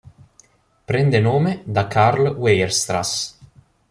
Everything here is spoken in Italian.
Prende nome da Karl Weierstrass.